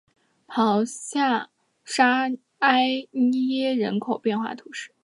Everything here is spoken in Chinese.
鲍下沙艾耶人口变化图示